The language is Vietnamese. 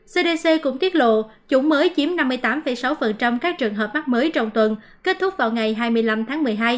cdc cũng tiết lộ chủng mới chiếm năm mươi tám sáu các trường hợp mắc mới trong tuần kết thúc vào ngày hai mươi năm tháng một mươi hai